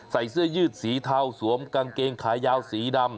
ใส่เสื้อยืดสีเทาสวมกางเกงขายาวสีดำ